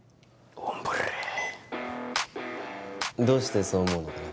オンブレどうしてそう思うのかな？